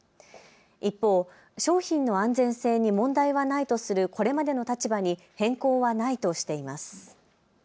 一方、商品の安全性に問題はないとするこれまでの立場に変更はないとしています。